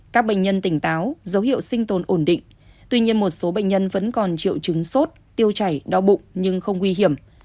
các bệnh nhân tỉnh táo dấu hiệu sinh tồn ổn định tuy nhiên một số bệnh nhân vẫn còn triệu chứng sốt tiêu chảy đau bụng nhưng không nguy hiểm